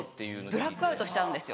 ブラックアウトしちゃうんですよ。